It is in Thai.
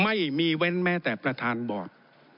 ไม่มีเว้นแม้แต่ประธานบอร์ด